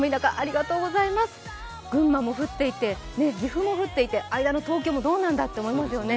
群馬も降っていて、岐阜も降っていて間の東京もどうなんだと思いますよね。